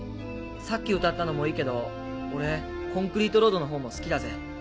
さっき歌ったのもいいけど俺「コンクリートロード」のほうも好きだぜ。